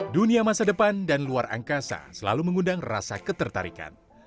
dunia masa depan dan luar angkasa selalu mengundang rasa ketertarikan